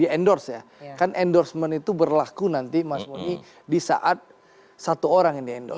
di endorse ya kan endorsement itu berlaku nanti mas muni di saat satu orang yang di endorse